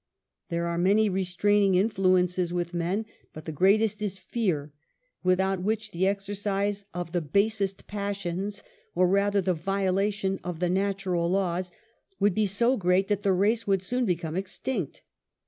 There are many restraining influences with men, but the greatest is fear, without which the exercise of the basest passions (or rather the violation of the natu ral laws) would be so great that the race would soon become extinct.